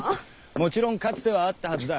もちろんかつてはあったはずだ。